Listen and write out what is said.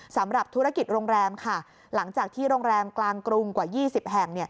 สำหรับธุรกิจโรงแรมค่ะหลังจากที่โรงแรมกลางกรุงกว่า๒๐แห่ง